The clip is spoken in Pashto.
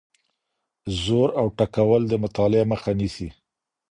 زور او ټکول د مطالعې مخه نیسي.